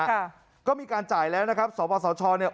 ค่ะก็มีการจ่ายแล้วนะครับสปสชเนี่ย